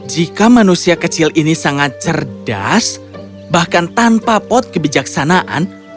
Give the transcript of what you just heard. jika manusia kecil ini sangat cerdas bahkan tanpa pot kebijaksanaan